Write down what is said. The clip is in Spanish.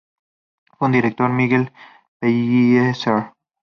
Fue su director Miguel Pellicer.